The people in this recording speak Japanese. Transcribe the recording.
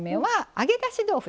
揚げだし豆腐。